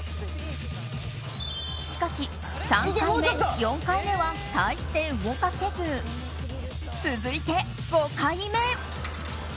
しかし３回目、４回目は大して動かせず続いて５回目。